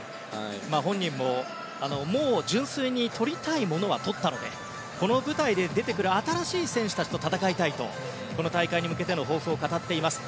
本人も、もう純粋にとりたいものはとったのでこの舞台で出てくる新しい選手たちと戦いたいとこの大会に向けての抱負を語っています。